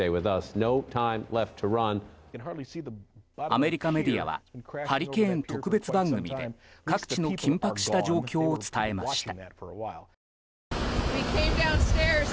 アメリカメディアはハリケーン特別番組で各地の緊迫した状況を伝えました。